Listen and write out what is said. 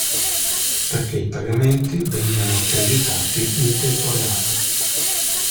Perché i pagamenti vengono accreditati in tempo reale.